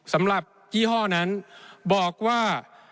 สำหรับยี่ห้อนั้นบอกว่า